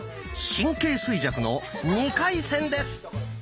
「神経衰弱」の２回戦です。